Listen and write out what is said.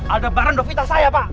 ada barang devita saya pak